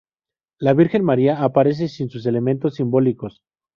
La Virgen María aparece sin sus elementos simbólicos.